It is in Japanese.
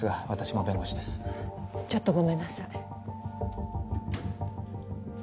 ちょっとごめんなさい。